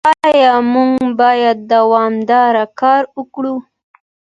ايا موږ بايد دوامداره کار وکړو؟